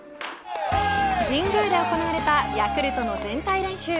神宮で行われたヤクルトの全体練習。